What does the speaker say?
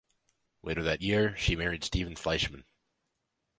Later that year, she married Steven Fleischmann.